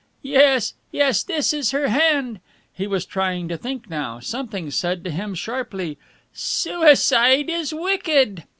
Yes! Yes! This is her hand." He was trying to think now. Something said to him, sharply, "Suicide is wicked."